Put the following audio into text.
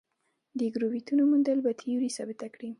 د ګرویټونو موندل به تیوري ثابته کړي.